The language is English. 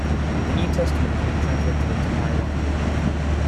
The New Testament has been translated into Paiwan.